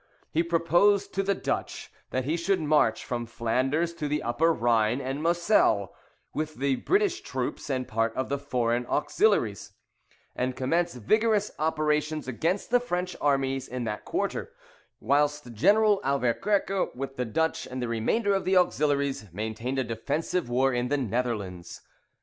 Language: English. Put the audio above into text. He proposed to the Dutch that he should march from Flanders to the Upper Rhine and Moselle, with the British troops and part of the Foreign auxiliaries, and commence vigorous operations against the French armies in that quarter, whilst General Auverquerque, with the Dutch and the remainder of the auxiliaries, maintained a defensive war in the Netherlands.